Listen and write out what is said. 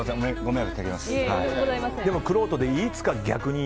でもくろうとで、いつか逆に